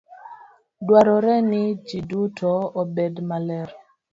Dwarore ni ji duto obed maler.